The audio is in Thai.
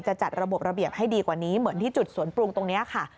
จัดระบบระเบียบให้ดีกว่านี้เหมือนที่จุดสวนปรุงตรงนี้ค่ะ